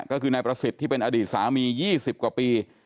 ก็คือนายประสิทธิ์ที่เป็นอดีตสามี๒๐กว่าปี